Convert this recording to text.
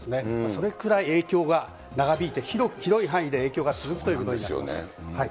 それぐらい影響が長引いて、広い範囲で影響が続くということになります。